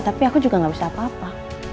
tapi aku juga gak bisa apa apa